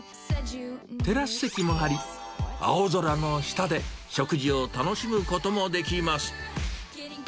テラス席もあり、青空の下で食事を楽しむこともできます。